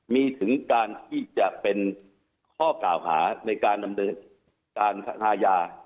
มีถึงการที่จะเป็นข้อกล่าวหาในการดำเนินการทางอาญา